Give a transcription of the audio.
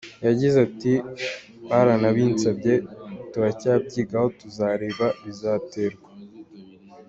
Yagize ati: "Baranabinsabye turacyabyigaho, tuzareba, bizaterwa".